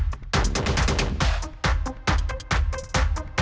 kasih tau gue siapa